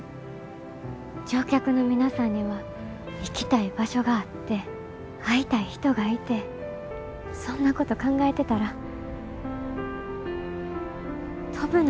乗客の皆さんには行きたい場所があって会いたい人がいてそんなこと考えてたら飛ぶのが楽しくなってきました。